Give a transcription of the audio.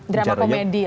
drama komedi lah ya